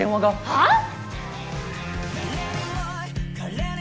はあ！？